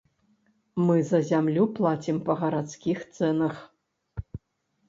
Мы за зямлю плацім па гарадскіх цэнах.